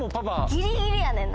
ギリギリやねんな。